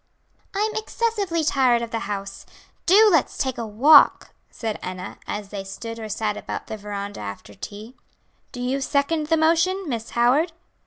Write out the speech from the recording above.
"I'm excessively tired of the house; do let's take a walk," said Enna, as they stood or sat about the veranda after tea. "Do you second the motion, Miss Howard?"